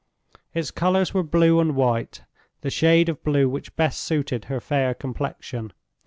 Its colors were blue and white—the shade of blue which best suited her fair complexion.